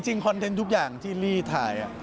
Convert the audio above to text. จริงคอนเทนต์ทุกอย่างที่ลิลลี่ถ่าย